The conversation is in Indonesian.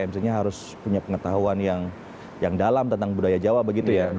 mc nya harus punya pengetahuan yang dalam tentang budaya jawa begitu ya mas